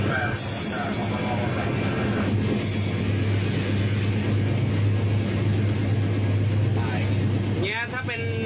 เป็นทางโค้งอะ